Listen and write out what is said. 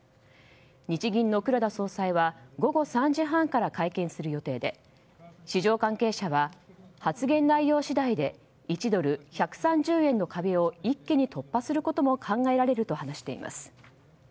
日銀の黒田総裁は午後３時半から会見する予定で市場関係者は、発言内容次第で１ドル＝１３０円の壁を一気に突破することも考えられると話しています。